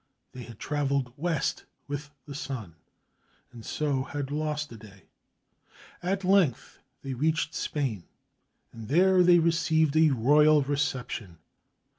They had traveled west with the sun, and so had lost a day. At length they reached 491 SPAIN Spain, and there they received a royal reception.